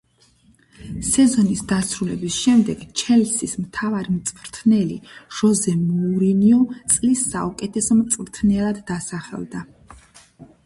სეზონის დასრულების შემდეგ „ჩელსის“ მთავარი მწვრთნელი, ჟოზე მოურინიო წლის საუკეთესო მწვრთნელად დასახელდა.